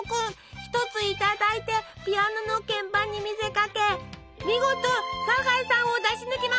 １ついただいてピアノの鍵盤に見せかけ見事サザエさんを出し抜きます！